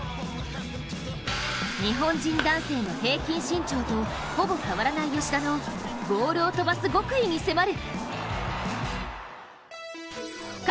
日本人男性の平均身長とほぼ変わらない吉田のボールを飛ばす極意に迫る。